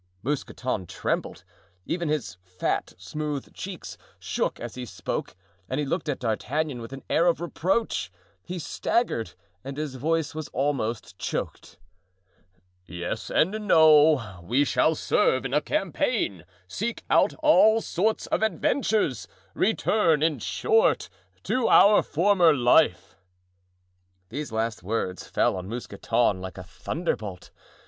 Mousqueton trembled; even his fat, smooth cheeks shook as he spoke, and he looked at D'Artagnan with an air of reproach; he staggered, and his voice was almost choked. "Yes and no. We shall serve in a campaign, seek out all sorts of adventures—return, in short, to our former life." These last words fell on Mousqueton like a thunderbolt.